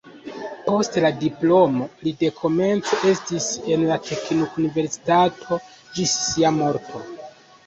Post la diplomo li dekomence estis en la teknikuniversitato ĝis sia morto.